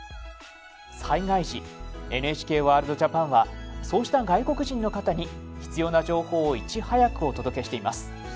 災害時ＮＨＫワールドＪＡＰＡＮはそうした外国人の方に必要な情報をいち早くお届けしています。